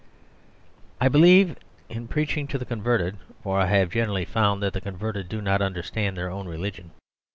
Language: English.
..... I believe in preaching to the converted; for I have generally found that the converted do not understand their own religion.